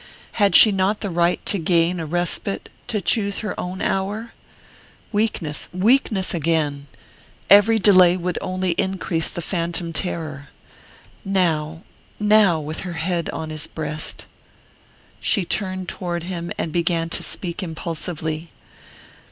Had she not the right to gain a respite, to choose her own hour? Weakness weakness again! Every delay would only increase the phantom terror. Now, now with her head on his breast! She turned toward him and began to speak impulsively.